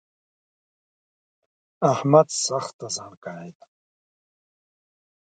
احمد سخته زڼکای ده